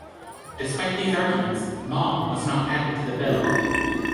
Despite these arguments, "Mong" was not added to the bill.